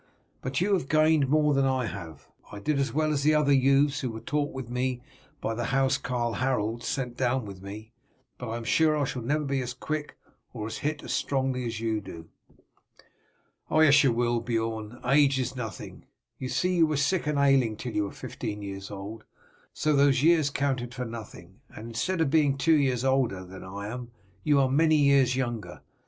But you have gained more than I have. I did as well as the other youths who were taught with me by the house carl Harold sent down with me, but I am sure I shall never be as quick or hit as strongly as you do." "Oh yes, you will, Beorn. Age is nothing. You see you were sick and ailing till you were fifteen years old, so those years counted for nothing, and instead of being two years older than I am you are many years younger.